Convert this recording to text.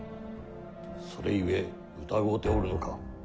それゆえ疑うておるのか？